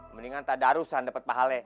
mendingan tak darusan dapet pahalnya